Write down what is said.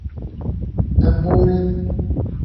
Em borîn.